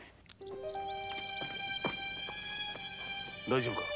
大丈夫か？